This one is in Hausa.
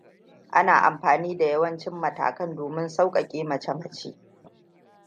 Ana amfani da yawancin matakan domin sauƙaƙe mace-mace